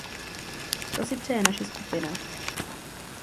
To si přeje naše skupina.